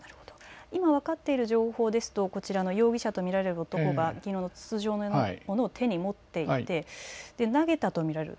今、分かっている情報ですとこちらの容疑者と見られる男が筒状のようなものを手に持って投げたと見られる。